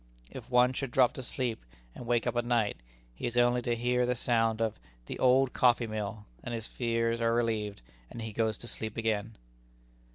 If one should drop to sleep, and wake up at night, he has only to hear the sound of "the old coffee mill," and his fears are relieved, and he goes to sleep again.